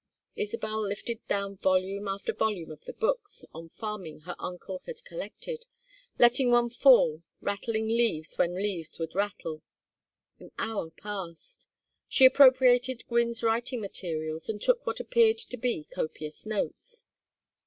Isabel lifted down volume after volume of the books on farming her uncle had collected, letting one fall, rattling leaves when leaves would rattle. An hour passed. She appropriated Gwynne's writing materials and took what appeared to be copious notes.